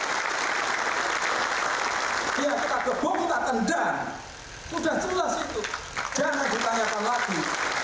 jangan ditanyakan lagi